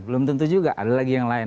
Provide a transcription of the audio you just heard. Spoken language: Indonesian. belum tentu juga ada lagi yang lain